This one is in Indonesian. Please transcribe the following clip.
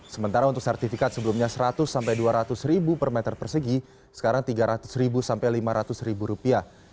sementara untuk sertifikat sebelumnya seratus sampai dua ratus ribu per meter persegi sekarang tiga ratus ribu sampai lima ratus ribu rupiah